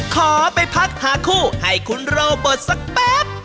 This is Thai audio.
ก็ไปพักหาคู่ให้คุณเราเปิดสักแป๊บ